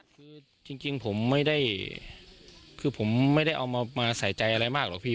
คือจริงผมไม่ได้คือผมไม่ได้เอามาใส่ใจอะไรมากหรอกพี่